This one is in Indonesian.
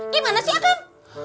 gimana sih akam